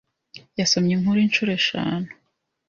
Yasomye inkuru inshuro eshanu.